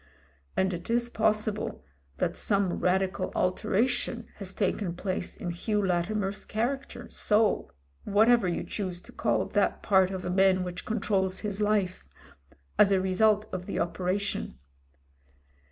And it is possible that some radical alteration has taken place in Hugh Latimer's character, soul — whatever you choose to call that part of a man which controls his life — as a result of the operation.